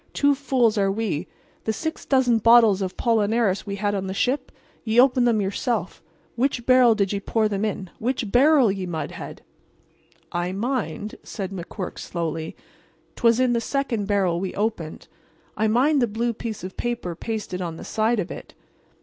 "Two fools are we. The six dozen bottles of 'pollinaris we had on the ship—ye opened them yourself—which barrel did ye pour them in—which barrel, ye mudhead?" "I mind," said McQuirk, slowly, "'twas in the second barrel we opened. I mind the blue piece of paper pasted on the side of it."